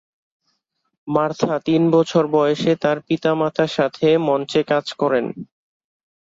Martha তিন বছর বয়সে তার পিতামাতার সাথে মঞ্চে কাজ করেন।